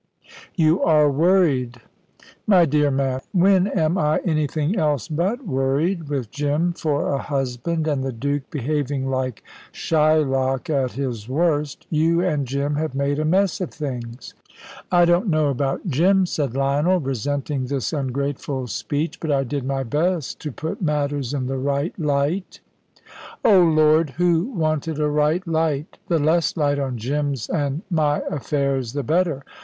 "You are worried." "My dear man, when am I anything else but worried, with Jim for a husband, and the Duke behaving like Shylock at his worst? You and Jim have made a mess of things." "I don't know about Jim," said Lionel, resenting this ungrateful speech, "but I did my best to put matters in the right light." "Oh, Lord, who wanted a right light? The less light on Jim's and my affairs the better.